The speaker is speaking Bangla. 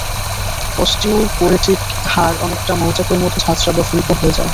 অস্টিওপোরোটিক হাড় অনেকটা মৌচাকের মতো ঝাঁজরা বা ফুলকো হয়ে যায়।